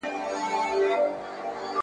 زه مرکز د دایرې یم زه هم کُل یم هم ا جزا یم `